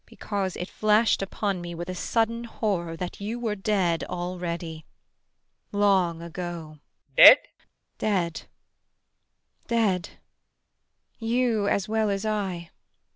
IRENE. Because it flashed upon me with a sudden horror that you were dead already long ago. PROFESSOR RUBEK. Dead? IRENE. Dead. Dead, you as well as I.